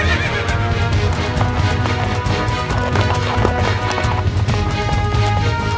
anda violent berhasil menyusun mahasiswa mereka bersamaan dengan penurun kostum maka mereka mer tota atau bergantung dengan kamu